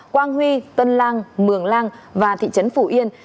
quang huy tân lang mường lang và thị trấn phủ yên